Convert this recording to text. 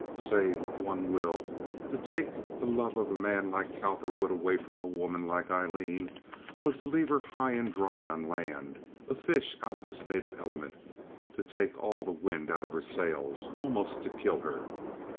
Say what one will, to take the love of a man like Cowperwood away from a woman like Aileen was to leave her high and dry on land, as a fish out of its native element, to take all the wind out of her sails—almost to kill her.